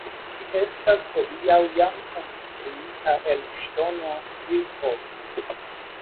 Ĝi estas hodiaŭ jam konstruita el ŝtono, briko.